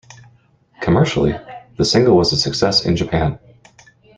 Commercially, the single was a success in Japan.